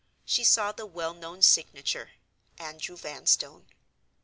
She saw the well known signature: "Andrew Vanstone."